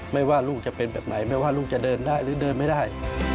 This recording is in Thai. ไม่ว่าลูกจะเป็นแบบไหนไม่ว่าลูกจะเดินได้หรือเดินไม่ได้